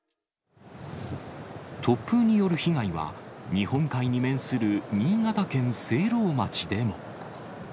突風による被害は、日本海に面する新潟県聖籠町でも。